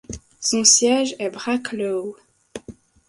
Son siège est Bracław.